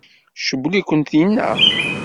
Tcewwel-ikem tinna?